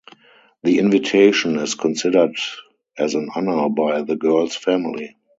The invitation is considered as an honor by the girl's family.